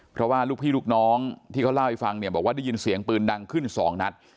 เพราะว่าลูกพี่ลูกน้องที่เขาเล่าให้ฟังเนี่ยบอกว่าได้ยินเสียงปืนดังขึ้นสองนัด